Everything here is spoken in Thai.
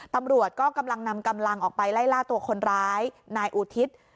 ตำรวจก็กำลังนำกำลังออกไปไล่ล่าตัวคนร้ายนายอุทิศ